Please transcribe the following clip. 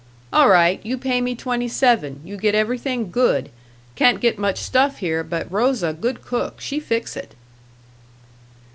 "All right, you pay me twenty seven, you get everything good. Can't get much stuff here, but Rosa good cook, she fix it."